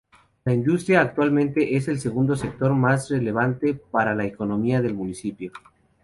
La industria, actualmente, es el segundo sector más relevante para la economía del municipio.